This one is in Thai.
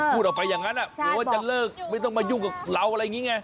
พูดออกไปอย่างนั้นเผื่อว่าจะเลิกไม่ต้องมายุ่งกับเราอะไรอย่างนี้ไง